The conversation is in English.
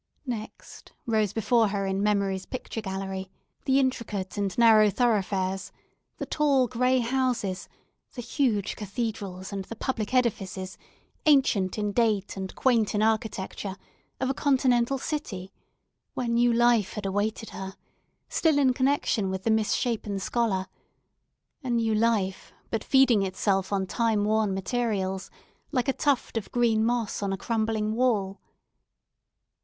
Next rose before her in memory's picture gallery, the intricate and narrow thoroughfares, the tall, grey houses, the huge cathedrals, and the public edifices, ancient in date and quaint in architecture, of a continental city; where new life had awaited her, still in connexion with the misshapen scholar: a new life, but feeding itself on time worn materials, like a tuft of green moss on a crumbling wall.